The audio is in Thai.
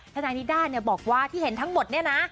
ทนายนิด้าบอกว่าที่เห็นทั้งหมดเนี่ยนะ